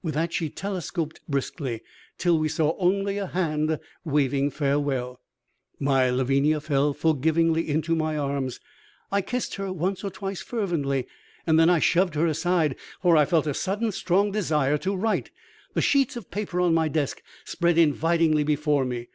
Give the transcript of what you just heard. With that she telescoped briskly, till we saw only a hand waving farewell. My Lavinia fell forgivingly into my arms. I kissed her once or twice fervently, and then I shoved her aside, for I felt a sudden strong desire to write. The sheets of paper on my desk spread invitingly before me.